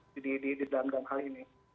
jadi di dalam hal ini